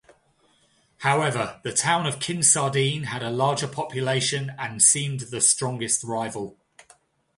However, the town of Kincardine had a larger population and seemed the strongest rival.